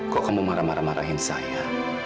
kok kamu marah marahin saya